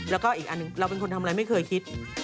แล้วก็อีกอันหนึ่งเราเป็นคนทำอะไรไม่เคยคิด